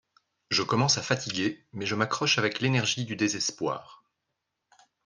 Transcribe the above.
Je commence à fatiguer mais je m'accroche avec l'énergie du désespoir